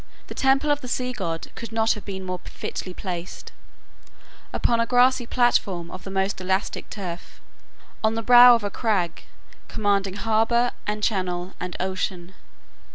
The temple of the sea god could not have been more fitly placed, upon a grassy platform of the most elastic turf, on the brow of a crag commanding harbor, and channel, and ocean.